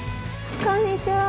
こんにちは。